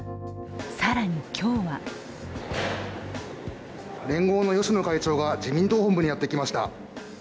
更に今日は連合の芳野会長が自民党本部にやってきました。